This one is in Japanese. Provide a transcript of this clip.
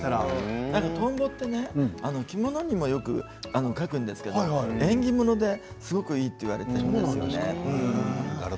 トンボって着物にもよく描くんですけど縁起物ですごくいいと言われているんですよね。